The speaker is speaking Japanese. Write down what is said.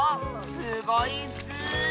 すごいッス！